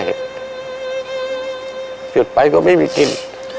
หยุดไปก็ไม่มีกลิ่น